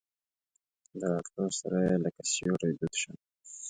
د راتلو سره یې لکه سیوری دود شم.